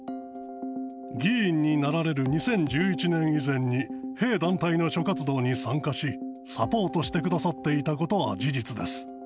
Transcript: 議員になられる２０１１年以前に、弊団体の諸活動に参加し、サポートしてくださっていたことは事実です。